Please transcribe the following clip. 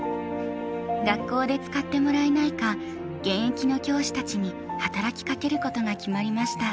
学校で使ってもらえないか現役の教師たちに働きかけることが決まりました。